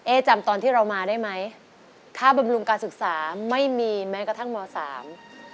จำตอนที่เรามาได้ไหมค่าบำรุงการศึกษาไม่มีแม้กระทั่งมสาม